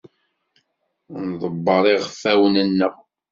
Nḍebber iɣfawen-nneɣ.